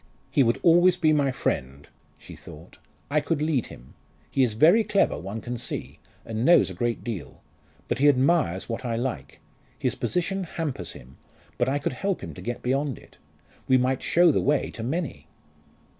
"He would always be my friend," she thought. "I could lead him. He is very clever, one can see, and knows a great deal. But he admires what I like. His position hampers him but I could help him to get beyond it. We might show the way to many!"